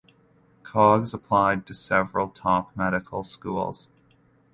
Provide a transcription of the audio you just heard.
Coggs applied to several top medical schools.